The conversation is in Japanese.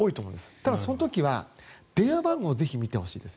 ただ、その時は電話番号をぜひ見てほしいです。